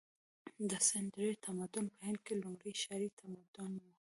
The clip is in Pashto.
د سند درې تمدن په هند کې لومړنی ښاري تمدن و.